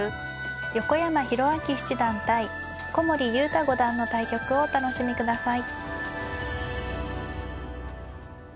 横山泰明七段対古森悠太五段の対局をお楽しみください。